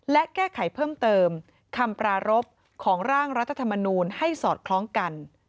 และแก้ไขเพิ่มเติมคำปรารบของร่างรัฐธรรมนูลให้สอดคล้องกัน